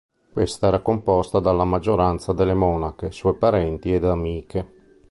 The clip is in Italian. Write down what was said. Questa era composta dalla maggioranza delle monache, sue parenti ed amiche.